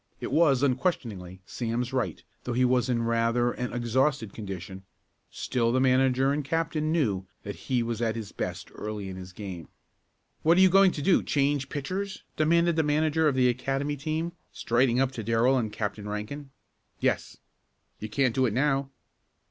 It was unquestioningly Sam's right and though he was in rather an exhausted condition still the manager and captain knew that he was at his best early in his game. "What are you going to do; change pitchers?" demanded the manager of the Academy team, striding up to Darrell and Captain Rankin. "Yes." "You can't do it now."